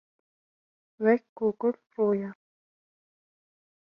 Wek ku gul, rû ye